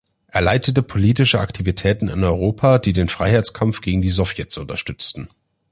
Er leitete politische Aktivitäten in Europa, die den Freiheitskampf gegen die Sowjets unterstützten.